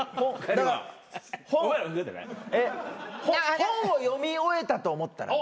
「本を読み終えたと思ったら」